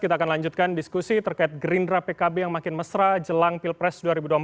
kita akan lanjutkan diskusi terkait gerindra pkb yang makin mesra jelang pilpres dua ribu dua puluh empat